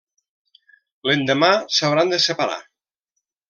L'endemà, s'hauran de separar.